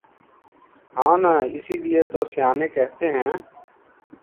ہاں نا اسی لئے تو سیانے کہتے ہیں